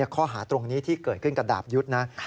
ข้อหาตรงนี้ที่เกิดขึ้นกับดาบยุทธ์นะ